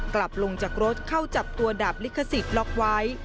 กลับลงจากรถเข้าจับตัวดาบลิขสิทธิ์ล็อกไว้